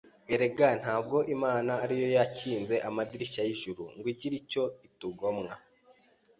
Erega, ntabwo Imana ari Yo yakinze amadirishya y’ijuru ngo igire icyo itugomwa,